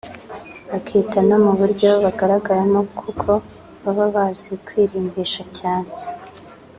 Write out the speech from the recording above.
bakita no mu buryo bagaragaramo kuko baba bazi kwirimbisha cyane